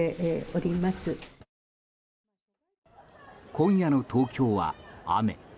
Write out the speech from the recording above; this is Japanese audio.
今夜の東京は雨。